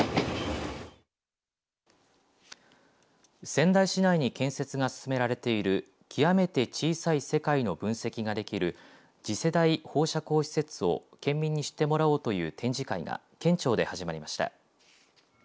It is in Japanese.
仙台市内に建設が進められている極めて小さい世界の分析ができる次世代放射光施設を県民に知ってもらおうという展示会が県庁で始まりました。